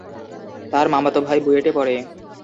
তার মামাতো ভাই বুয়েটে পড়ে।